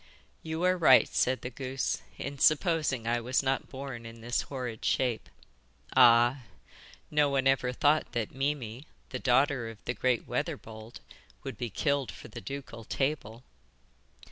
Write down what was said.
'You are right,' said the goose, 'in supposing I was not born in this horrid shape. Ah! no one ever thought that Mimi, the daughter of the great Weatherbold, would be killed for the ducal table.